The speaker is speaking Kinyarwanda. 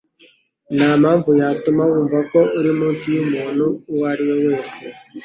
Ntampamvu yatuma wumva ko uri munsi yumuntu uwo ari we wese.